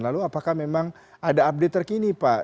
lalu apakah memang ada update terkini pak